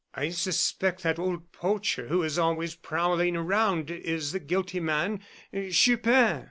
"I suspect that old poacher, who is always prowling around, is the guilty man Chupin."